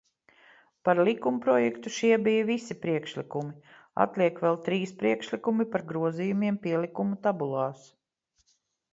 Par likumprojektu šie bija visi priekšlikumi, atliek vēl trīs priekšlikumi par grozījumiem pielikumu tabulās.